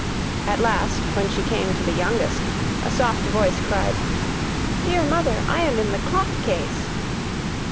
At last, when she came to the youngest, a soft voice cried: 'Dear mother, I am in the clock case.